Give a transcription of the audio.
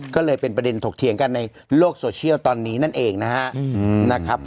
ก็เลยเป็นประเด็นถกเถียงกันในโลกโซเชียลตอนนี้นั่นเองนะครับ